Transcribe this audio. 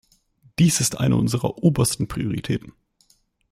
Dies ist eine unserer obersten Prioritäten.